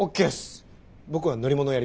僕は乗り物をやります。